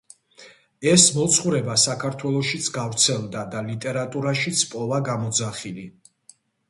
ეს მოძღვრება საქართველოშიც გავრცელდა და ლიტერატურაშიც პოვა გამოძახილი.